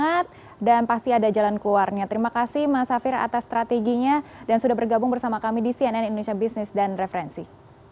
selamat dan pasti ada jalan keluarnya terima kasih mas safir atas strateginya dan sudah bergabung bersama kami di cnn indonesia business dan referensi